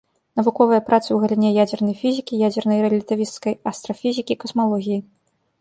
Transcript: Навуковыя працы ў галіне ядзернай фізікі, ядзернай і рэлятывісцкай астрафізікі, касмалогіі.